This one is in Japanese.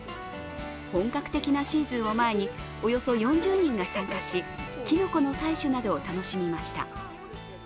本格的なシーズンを前に、およそ４０人が参加し、きのこの採取などを楽しみました。